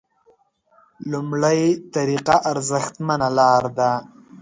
لومړۍ طریقه ارزښتمنه لاره ده.